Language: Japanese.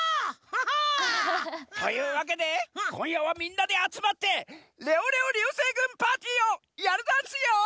オ！というわけでこんやはみんなであつまってレオレオりゅうせいぐんパーティーをやるざんすよ！